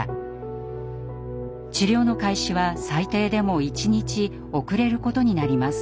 治療の開始は最低でも１日遅れることになります。